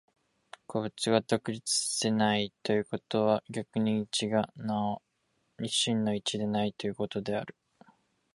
個物が独立せないということは、逆に一がなお真の一でないということである。